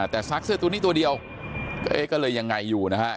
แต่ซักเสื้อตัวนี้ตัวเดียวก็เลยยังไงอยู่นะครับ